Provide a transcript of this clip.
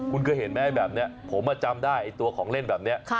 คุณเคยเห็นไหมแบบนี้ผมจำได้ตัวของเล่นแบบนี้